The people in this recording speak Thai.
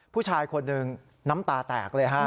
ผู้ชายคนหนึ่งน้ำตาแตกเลยฮะ